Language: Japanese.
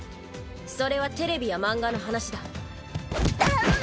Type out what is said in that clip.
それはテレビや漫画の話ダメ？